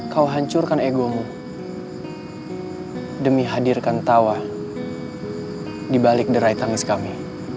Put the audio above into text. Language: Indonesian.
kau hancurkan egomu demi hadirkan tawa di balik derai tangis kami